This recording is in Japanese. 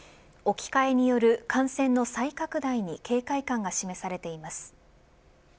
置き換えによる感染の再拡大に警戒感が示されています。